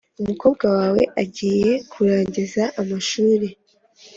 Umukobwa wawe agiye kurangiza amashuri